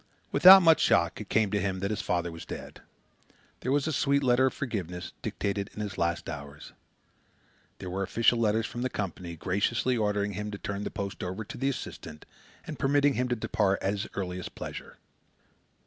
Without much shock, it came to him that his father was dead. There was a sweet letter of forgiveness, dictated in his last hours. There were official letters from the Company, graciously ordering him to turn the post over to the assistant and permitting him to depart at his earliest pleasure.